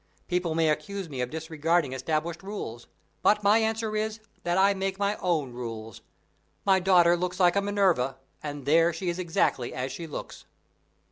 People may accuse me of disregarding established rules; but my answer is, that I make my own rules. My daughter looks like a Minerva, and there she is exactly as she looks."